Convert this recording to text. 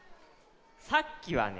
さっきはね